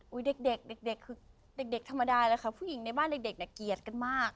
เด็กเด็กคือเด็กธรรมดาแล้วค่ะผู้หญิงในบ้านเด็กน่ะเกลียดกันมาก